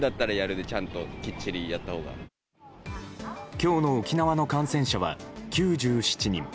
今日の沖縄の感染者は９７人。